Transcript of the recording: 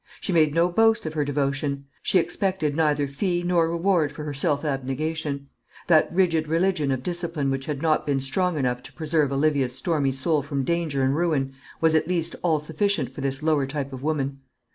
She made no boast of her devotion; she expected neither fee nor reward for her self abnegation. That rigid religion of discipline which had not been strong enough to preserve Olivia's stormy soul from danger and ruin was at least all sufficient for this lower type of woman.